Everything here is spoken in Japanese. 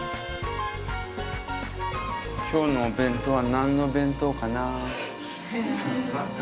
今日のお弁当は何のお弁当かな。